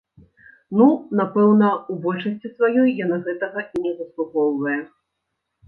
Ну, напэўна, у большасці сваёй яна гэтага і не заслугоўвае.